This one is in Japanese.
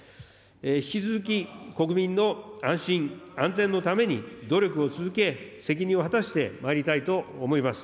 引き続き、国民の安心、安全のために努力を続け、責任を果たしてまいりたいと思います。